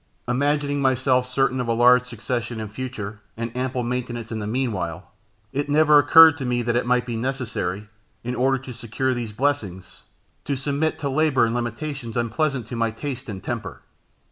Imagining myself certain of a large succession in future, and ample maintenance in the meanwhile, it never occurred to me that it might be necessary, in order to secure these blessings, to submit to labour and limitations unpleasant to my taste and temper.